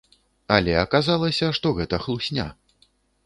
Але аказалася, што гэта хлусня.